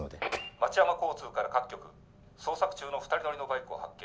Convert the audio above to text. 町山交通から各局捜索中の２人乗りのバイクを発見。